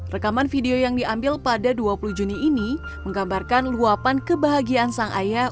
rekaman video yang diambil pada dua puluh juni ini menggambarkan luapan kebahagiaan sang ayah